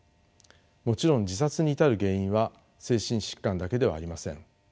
もちろん自殺に至る原因は精神疾患だけではありません。